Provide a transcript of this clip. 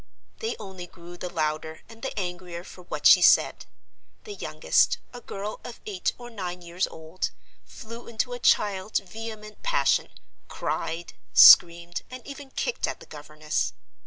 They only grew the louder and the angrier for what she said. The youngest—a girl of eight or nine years old—flew into a child's vehement passion, cried, screamed, and even kicked at the governess.